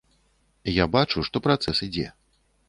Я бачу, што працэс ідзе.